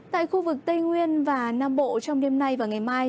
tại khu vực tây nguyên và nam bộ trong đêm nay và ngày mai